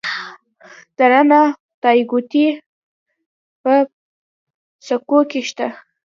د ننه خدایګوټې په سکو کې شته